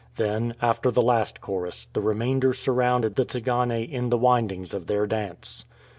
Then, after the last chorus, the remainder surrounded the Tsigane in the windings of their dance.